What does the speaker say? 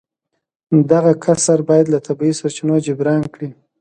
دغه کسر باید له طبیعي سرچینو جبران کړي